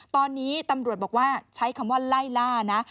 ตอนนี้ตำรวจบอกว่าใช้คำว่าไล่ล่านะ